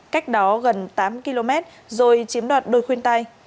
cách đó gần tám km rồi chiếm đoạt đôi khuyên tay